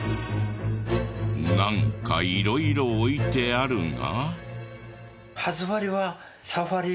なんか色々置いてあるが。